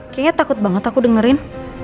kayaknya takut banget aku dengerin